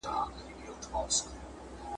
د هغې لپاره تر ځان تېرېدلای سم